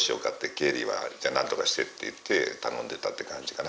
経理はじゃあなんとかしてって言って頼んでたって感じかな。